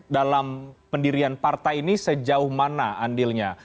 dalam pendirian partai ini sejauh mana andilnya